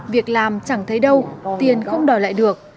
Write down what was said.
việc làm chẳng thấy đâu tiền không đòi lại được